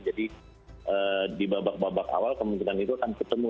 jadi di babak babak awal kemungkinan itu akan ketemu